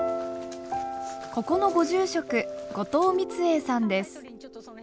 ここのご住職後藤密榮さんです。